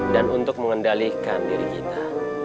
dan untuk mengendalikan diri kita